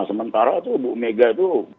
sementara tuh bu mega tuh